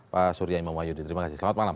pak surya imam wahyudi terima kasih selamat malam